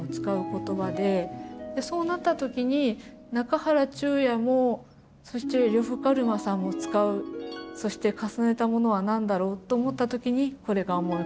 そうなった時に中原中也もそして呂布カルマさんも使うそして重ねたものは何だろうと思った時にこれが思い浮かびました。